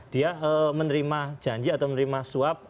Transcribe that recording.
dia menerima janji atau menerima suap